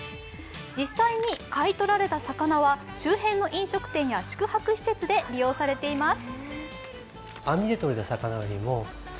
実際に買い取られた魚は周辺の飲食店や宿泊施設で利用されています。